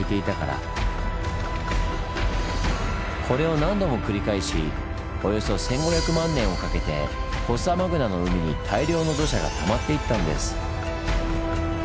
これを何度も繰り返しおよそ１，５００万年をかけてフォッサマグナの海に大量の土砂がたまっていったんです。